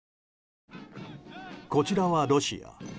こちらはロシア。